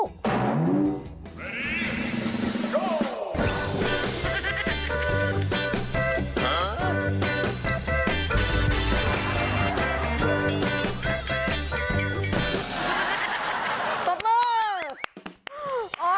ปรบมือ